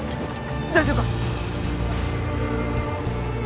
大丈夫か？